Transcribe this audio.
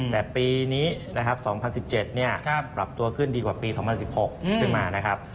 แต่ปีนี้นะครับ๒๐๑๗ปรับตัวขึ้นดีกว่าปี๒๐๑๖ขึ้นมานะครับ